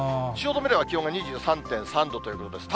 汐留では気温が２３．３度ということです。